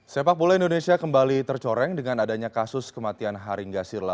sepak bola indonesia kembali tercoreng dengan adanya kasus kematian haringa sirla